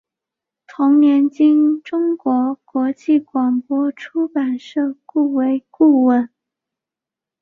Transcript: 同年经中国国际广播出版社雇为顾问。